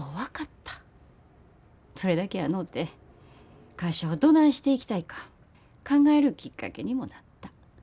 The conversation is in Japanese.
それだけやのうて会社をどないしていきたいか考えるきっかけにもなった。